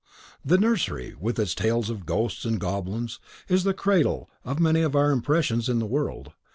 The nursery, with its tales of ghosts and goblins, is the cradle of many of our impressions in the world.